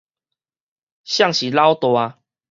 誰是老大